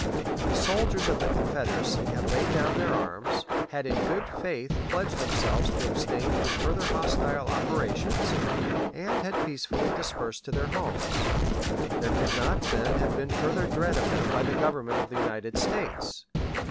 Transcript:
The soldiers of the Confederacy had laid down their arms, had in good faith pledged themselves to abstain from further hostile operations, and had peacefully dispersed to their homes; there could not, then, have been further dread of them by the Government of the United States.